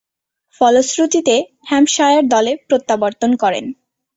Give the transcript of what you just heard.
ফলশ্রুতিতে, হ্যাম্পশায়ার দলে প্রত্যাবর্তন করেন।